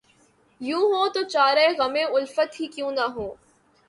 یوں ہو‘ تو چارۂ غمِ الفت ہی کیوں نہ ہو